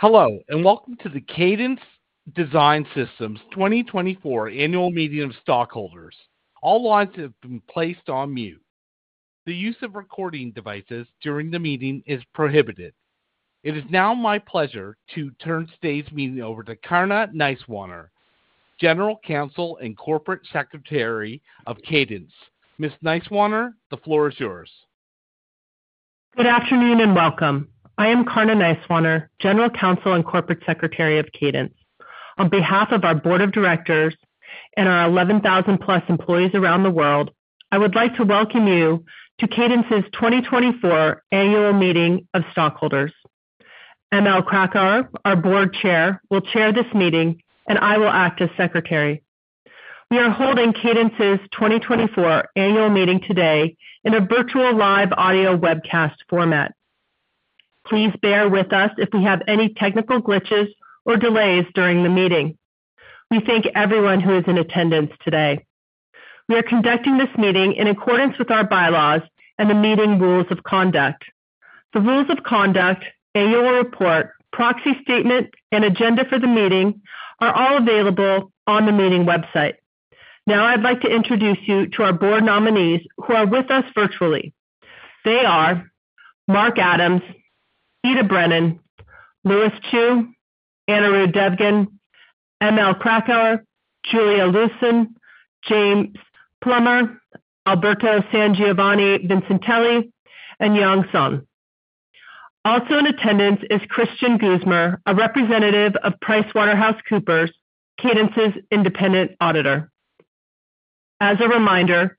Hello, and welcome to the Cadence Design Systems 2024 Annual Meeting of Stockholders. All lines have been placed on mute. The use of recording devices during the meeting is prohibited. It is now my pleasure to turn today's meeting over to Karna Nisewaner, General Counsel and Corporate Secretary of Cadence. Ms. Nisewaner, the floor is yours. Good afternoon, and welcome. I am Karna Nisewaner, General Counsel and Corporate Secretary of Cadence. On behalf of our board of directors and our 11,000+ employees around the world, I would like to welcome you to Cadence's 2024 Annual Meeting of Stockholders. ML Krakauer, our Board Chair, will chair this meeting, and I will act as secretary. We are holding Cadence's 2024 Annual Meeting today in a virtual live audio webcast format. Please bear with us if we have any technical glitches or delays during the meeting. We thank everyone who is in attendance today. We are conducting this meeting in accordance with our bylaws and the meeting rules of conduct. The rules of conduct, annual report, proxy statement, and agenda for the meeting are all available on the meeting website. Now, I'd like to introduce you to our board nominees, who are with us virtually. They are Mark Adams, Ida Brennan, Louis Chiu, Anirudh Devgan, ML Krakauer, Julia Liuson, James Plummer, Alberto Sangiovanni-Vincentelli, and Yang Sun. Also in attendance is Christian Guzmar, a representative of PricewaterhouseCoopers, Cadence's independent auditor. As a reminder,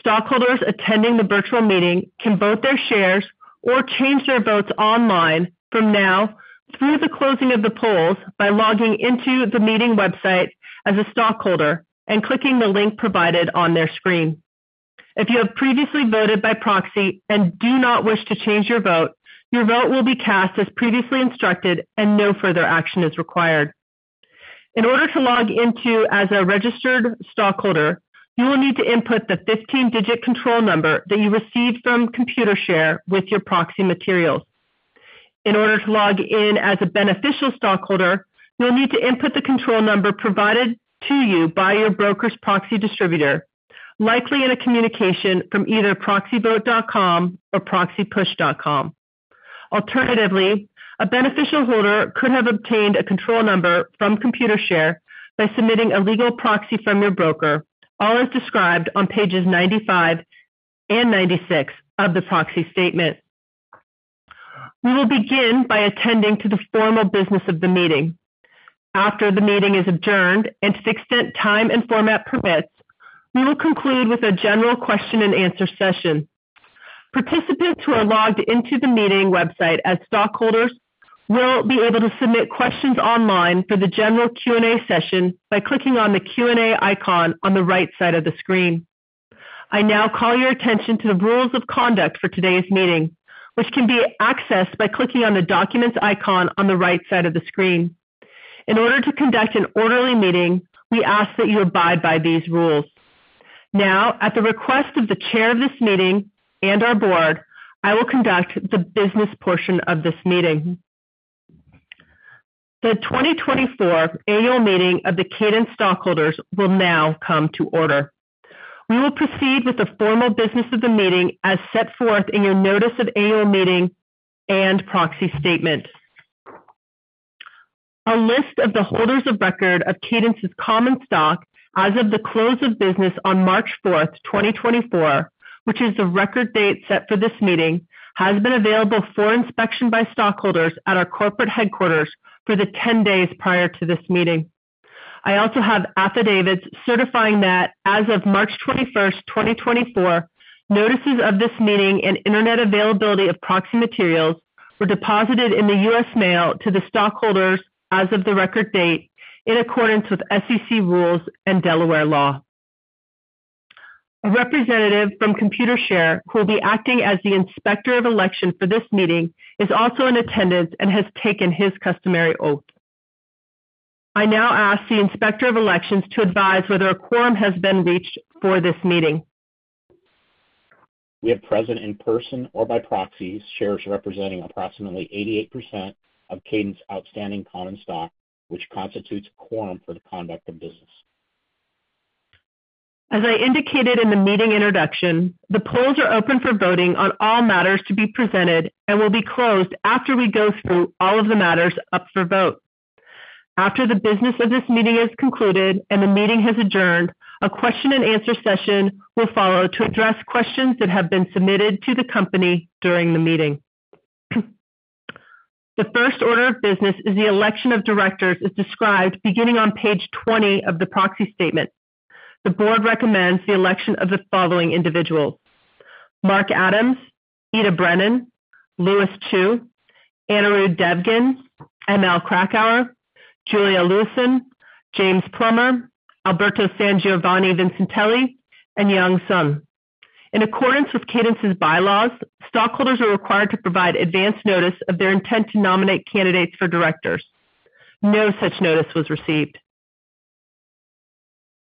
stockholders attending the virtual meeting can vote their shares or change their votes online from now through the closing of the polls by logging into the meeting website as a stockholder and clicking the link provided on their screen. If you have previously voted by proxy and do not wish to change your vote, your vote will be cast as previously instructed and no further action is required. In order to log into as a registered stockholder, you will need to input the 15-digit control number that you received from Computershare with your proxy materials. In order to log in as a beneficial stockholder, you'll need to input the control number provided to you by your broker's proxy distributor, likely in a communication from either proxyvote.com or proxypush.com. Alternatively, a beneficial holder could have obtained a control number from Computershare by submitting a legal proxy from your broker, all as described on pages 95 and 96 of the proxy statement. We will begin by attending to the formal business of the meeting. After the meeting is adjourned, and to the extent time and format permits, we will conclude with a general question-and-answer session. Participants who are logged into the meeting website as stockholders will be able to submit questions online for the general Q&A session by clicking on the Q&A icon on the right side of the screen. I now call your attention to the rules of conduct for today's meeting, which can be accessed by clicking on the documents icon on the right side of the screen. In order to conduct an orderly meeting, we ask that you abide by these rules. Now, at the request of the chair of this meeting and our board, I will conduct the business portion of this meeting. The 2024 Annual Meeting of the Cadence Stockholders will now come to order. We will proceed with the formal business of the meeting as set forth in your notice of annual meeting and proxy statement. A list of the holders of record of Cadence's common stock as of the close of business on March 4th, 2024, which is the record date set for this meeting, has been available for inspection by stockholders at our corporate headquarters for the 10 days prior to this meeting. I also have affidavits certifying that as of March 21st, 2024, notices of this meeting and internet availability of proxy materials were deposited in the U.S. mail to the stockholders as of the record date, in accordance with SEC rules and Delaware law. A representative from Computershare, who will be acting as the inspector of election for this meeting, is also in attendance and has taken his customary oath. I now ask the inspector of elections to advise whether a quorum has been reached for this meeting. We have present in person or by proxy, shares representing approximately 88% of Cadence outstanding common stock, which constitutes a quorum for the conduct of business. As I indicated in the meeting introduction, the polls are open for voting on all matters to be presented and will be closed after we go through all of the matters up for vote. After the business of this meeting is concluded and the meeting has adjourned, a question and answer session will follow to address questions that have been submitted to the company during the meeting. The first order of business is the election of directors, as described beginning on page 20 of the proxy statement. The board recommends the election of the following individuals: Mark Adams, Ida Brennan, Louis Chiu, Anirudh Devgan, ML Krakauer, Julia Liuson, James Plummer, Alberto Sangiovanni-Vincentelli, and Yang Sun. In accordance with Cadence's bylaws, stockholders are required to provide advance notice of their intent to nominate candidates for directors. No such notice was received.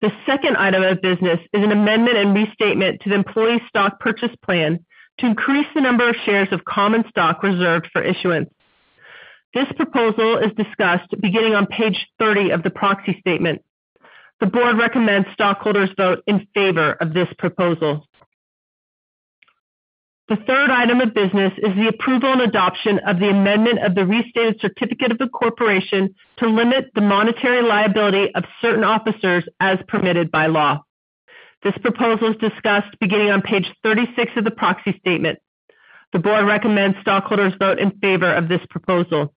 The second item of business is an amendment and restatement to the employee stock purchase plan to increase the number of shares of common stock reserved for issuance. This proposal is discussed beginning on page 30 of the proxy statement. The board recommends stockholders vote in favor of this proposal. The third item of business is the approval and adoption of the amendment of the restated certificate of the corporation to limit the monetary liability of certain officers as permitted by law. This proposal is discussed beginning on page 36 of the proxy statement. The board recommends stockholders vote in favor of this proposal.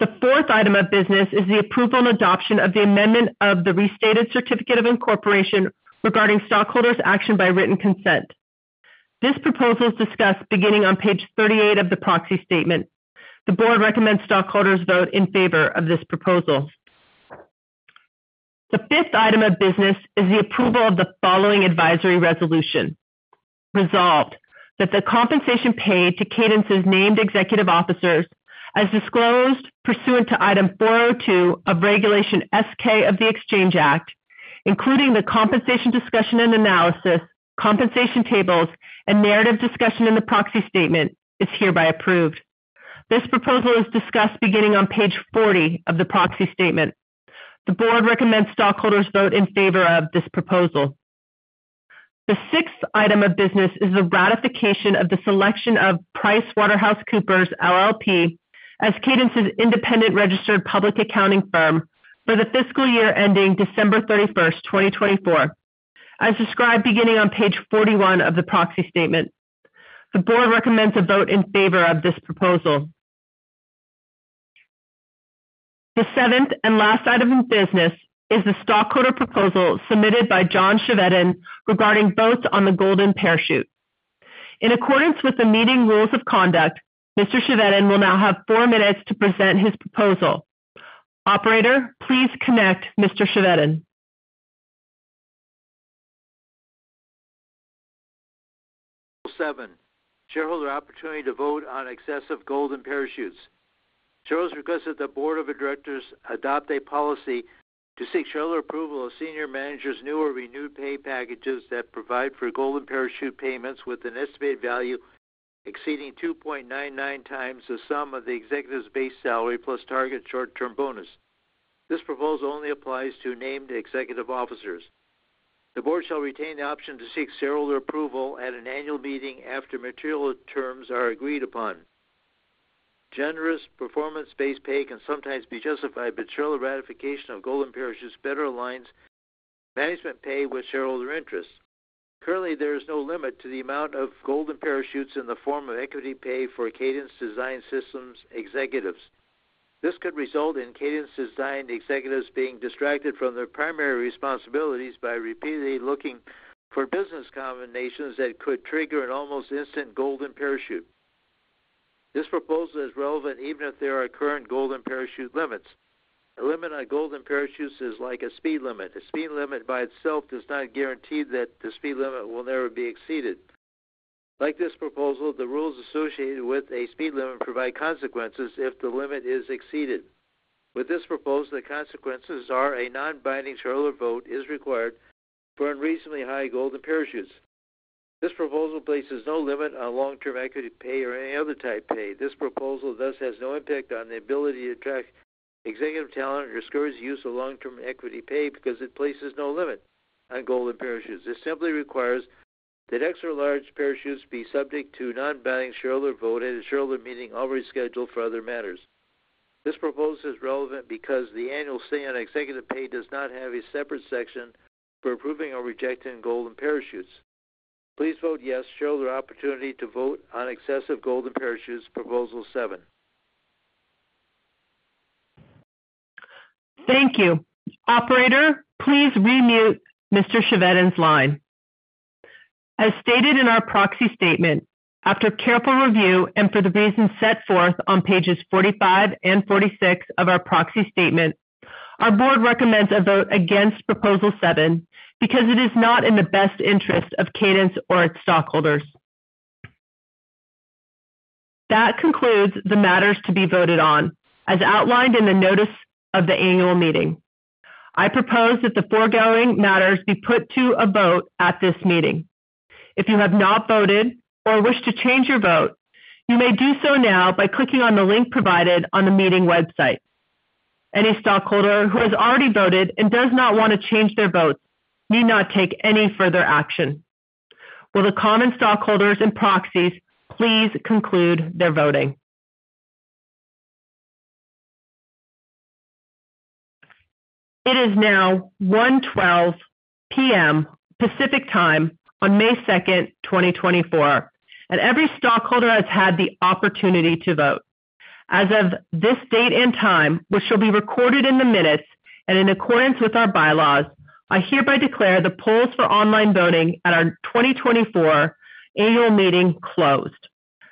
The fourth item of business is the approval and adoption of the amendment of the restated certificate of incorporation regarding stockholders' action by written consent. This proposal is discussed beginning on page 38 of the proxy statement. The board recommends stockholders vote in favor of this proposal. The fifth item of business is the approval of the following advisory resolution. Resolved, that the compensation paid to Cadence's named executive officers, as disclosed pursuant to Item 402 of Regulation S-K of the Exchange Act, including the compensation discussion and analysis, compensation tables, and narrative discussion in the proxy statement, is hereby approved. This proposal is discussed beginning on page 40 of the proxy statement. The board recommends stockholders vote in favor of this proposal. The sixth item of business is the ratification of the selection of PricewaterhouseCoopers, LLP, as Cadence's independent registered public accounting firm for the fiscal year ending December 31, 2024, as described beginning on page 41 of the proxy statement. The board recommends a vote in favor of this proposal. The seventh and last item of business is the stockholder proposal submitted by John Chevedden regarding votes on the golden parachute. In accordance with the meeting rules of conduct, Mr. Chevedden will now have four minutes to present his proposal. Operator, please connect Mr. Chevedden. 7, shareholder opportunity to vote on excessive golden parachutes. Shareholders request that the board of directors adopt a policy to seek shareholder approval of senior managers' new or renewed pay packages that provide for golden parachute payments with an estimated value exceeding 2.99 times the sum of the executive's base salary plus target short-term bonus. This proposal only applies to named executive officers. The board shall retain the option to seek shareholder approval at an annual meeting after material terms are agreed upon. Generous performance-based pay can sometimes be justified, but shareholder ratification of golden parachutes better aligns management pay with shareholder interests. Currently, there is no limit to the amount of golden parachutes in the form of equity pay for Cadence Design Systems executives. This could result in Cadence Design executives being distracted from their primary responsibilities by repeatedly looking for business combinations that could trigger an almost instant golden parachute. This proposal is relevant even if there are current golden parachute limits. A limit on golden parachutes is like a speed limit. A speed limit by itself does not guarantee that the speed limit will never be exceeded. Like this proposal, the rules associated with a speed limit provide consequences if the limit is exceeded. With this proposal, the consequences are a non-binding shareholder vote is required for unreasonably high golden parachutes. This proposal places no limit on long-term equity pay or any other type pay. This proposal, thus, has no impact on the ability to attract executive talent or discourage use of long-term equity pay because it places no limit on golden parachutes. This simply requires that extra large parachutes be subject to non-binding shareholder vote at a shareholder meeting already scheduled for other matters. This proposal is relevant because the annual say on executive pay does not have a separate section for approving or rejecting golden parachutes. Please vote yes. Shareholder opportunity to vote on excessive golden parachutes, Proposal Seven. Thank you. Operator, please re-mute Mr. Chevedden's line. As stated in our proxy statement, after careful review and for the reasons set forth on pages 45 and 46 of our proxy statement, our board recommends a vote against Proposal 7, because it is not in the best interest of Cadence or its stockholders. That concludes the matters to be voted on, as outlined in the notice of the annual meeting. I propose that the foregoing matters be put to a vote at this meeting. If you have not voted or wish to change your vote, you may do so now by clicking on the link provided on the meeting website. Any stockholder who has already voted and does not want to change their vote need not take any further action. Will the common stockholders and proxies please conclude their voting? It is now 1:12 P.M., Pacific Time, on May 2nd, 2024, and every stockholder has had the opportunity to vote. As of this date and time, which shall be recorded in the minutes and in accordance with our bylaws, I hereby declare the polls for online voting at our 2024 annual meeting closed.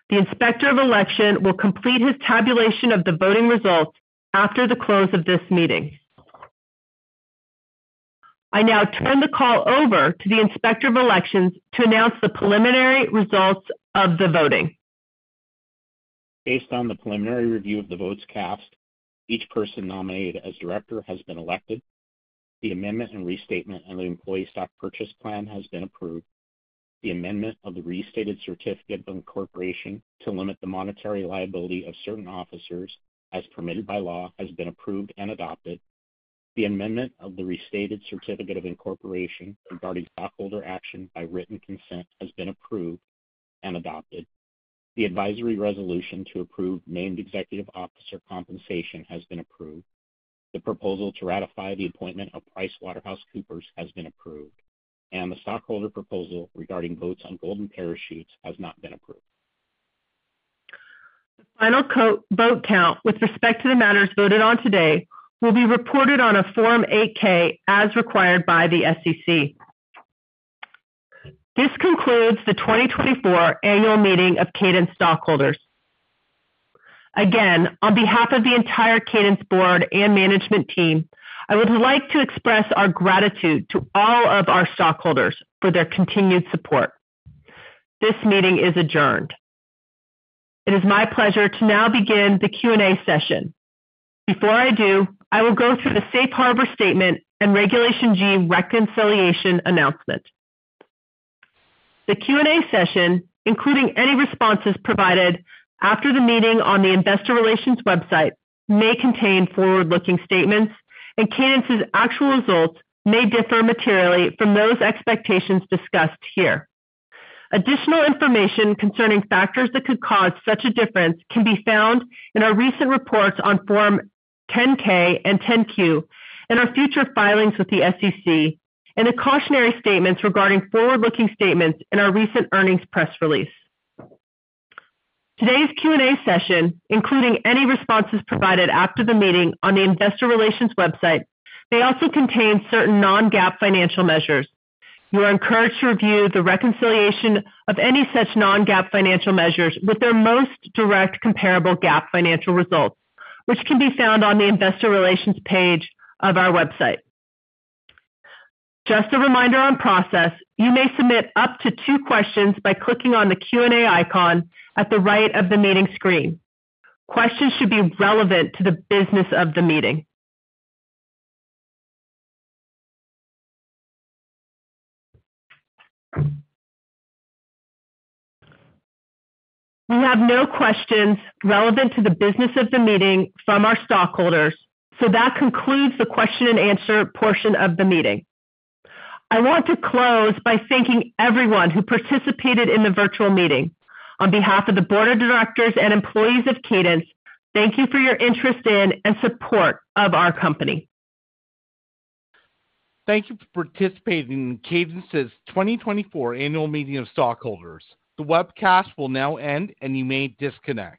The inspector of election will complete his tabulation of the voting results after the close of this meeting. I now turn the call over to the inspector of elections to announce the preliminary results of the voting. ...Based on the preliminary review of the votes cast, each person nominated as director has been elected. The amendment and restatement of the employee stock purchase plan has been approved. The amendment of the restated certificate of incorporation to limit the monetary liability of certain officers, as permitted by law, has been approved and adopted. The amendment of the restated certificate of incorporation regarding stockholder action by written consent has been approved and adopted. The advisory resolution to approve named executive officer compensation has been approved. The proposal to ratify the appointment of PricewaterhouseCoopers has been approved, and the stockholder proposal regarding votes on golden parachutes has not been approved. The final count with respect to the matters voted on today will be reported on a Form 8-K, as required by the SEC. This concludes the 2024 annual meeting of Cadence stockholders. Again, on behalf of the entire Cadence board and management team, I would like to express our gratitude to all of our stockholders for their continued support. This meeting is adjourned. It is my pleasure to now begin the Q&A session. Before I do, I will go through the Safe Harbor Statement and Regulation G reconciliation announcement. The Q&A session, including any responses provided after the meeting on the investor relations website, may contain forward-looking statements, and Cadence's actual results may differ materially from those expectations discussed here. Additional information concerning factors that could cause such a difference can be found in our recent reports on Form 10-K and 10-Q, in our future filings with the SEC, and the cautionary statements regarding forward-looking statements in our recent earnings press release. Today's Q&A session, including any responses provided after the meeting on the investor relations website, may also contain certain non-GAAP financial measures. You are encouraged to review the reconciliation of any such non-GAAP financial measures with their most direct comparable GAAP financial results, which can be found on the investor relations page of our website. Just a reminder on process, you may submit up to two questions by clicking on the Q&A icon at the right of the meeting screen. Questions should be relevant to the business of the meeting. We have no questions relevant to the business of the meeting from our stockholders, so that concludes the question and answer portion of the meeting. I want to close by thanking everyone who participated in the virtual meeting. On behalf of the board of directors and employees of Cadence, thank you for your interest in and support of our company. Thank you for participating in Cadence's 2024 annual meeting of stockholders. The webcast will now end, and you may disconnect.